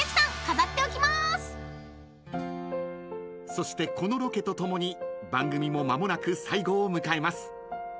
［そしてこのロケとともに番組もまもなく最後を迎えます］